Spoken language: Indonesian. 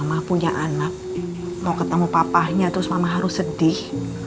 mama punya anak mau ketemu papanya terus mama harus sedih